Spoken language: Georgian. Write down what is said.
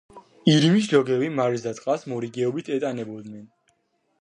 ირმის ჯოგები მარილს და წყალს მორიგეობით ეტანებოდნენ.